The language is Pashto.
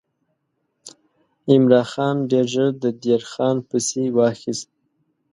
عمرا خان ډېر ژر د دیر خان پسې واخیست.